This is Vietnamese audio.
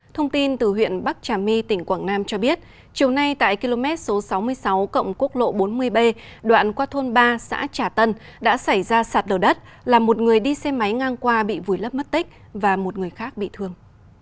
thông tin từ huyện bắc trà my tỉnh quảng nam cho biết chiều nay tại km số sáu mươi sáu cộng quốc lộ bốn mươi b đoạn qua thôn ba xã trà tân đã xảy ra sạt đầu đất là một người đi xe máy ngang qua bị vùi lấp mất tích và một người khác bị thương